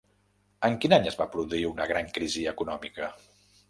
En quin any es va produir una gran crisi econòmica?